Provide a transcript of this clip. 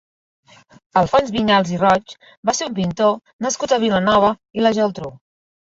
Alfons Vinyals i Roig va ser un pintor nascut a Vilanova i la Geltrú.